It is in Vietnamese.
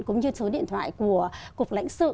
cũng như số điện thoại của cục lãnh sự